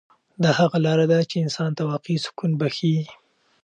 دا هغه لاره ده چې انسان ته واقعي سکون بښي.